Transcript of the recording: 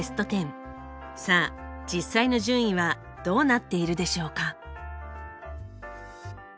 さあ実際の順位はどうなっているでしょうか？